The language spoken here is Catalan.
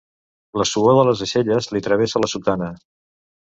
La suor de les aixelles li travessa la sotana.